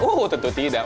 uh tentu tidak